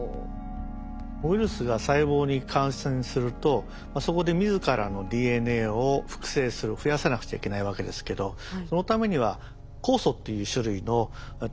ウイルスが細胞に感染するとそこで自らのＤＮＡを複製する増やさなくちゃいけないわけですけどそのためには酵素っていう種類のタンパク質が必要なんですね。